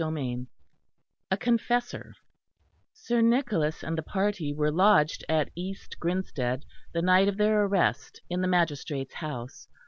CHAPTER X A CONFESSOR Sir Nicholas and the party were lodged at East Grinsted the night of their arrest, in the magistrate's house.